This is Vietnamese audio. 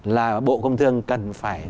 là bộ công thương cần phải